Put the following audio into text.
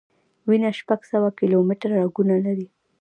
وینه شپږ سوه کیلومټره رګونه لري.